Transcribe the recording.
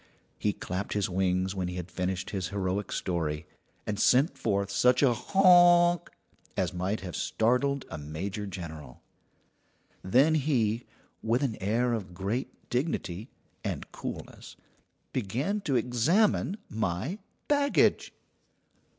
He clapped his wings when he had finished his heroic story, and sent forth such a "Honk!" as might have startled a major general. Then he, with an air of great dignity and coolness, began to examine my baggage.